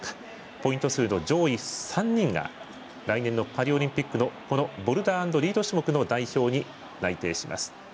ポイント数の上位３人が来年のパリオリンピックのボルダー＆リード種目の代表に内定します。